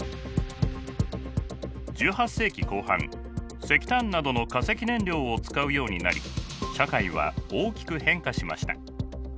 １８世紀後半石炭などの化石燃料を使うようになり社会は大きく変化しました。